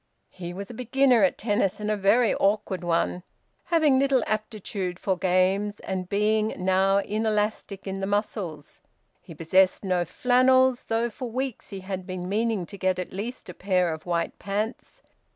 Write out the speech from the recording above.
He was a beginner at tennis, and a very awkward one, having little aptitude for games, and being now inelastic in the muscles. He possessed no flannels, though for weeks he had been meaning to get at least a pair of white pants.